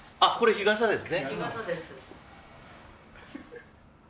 日傘です。